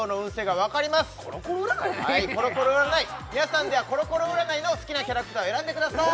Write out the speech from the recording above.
はいコロコロ占い皆さんではコロコロ占いの好きなキャラクターを選んでください